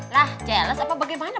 lah jealous apa bagaimana